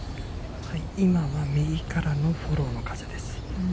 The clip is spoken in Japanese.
今は右からのフォローの風です。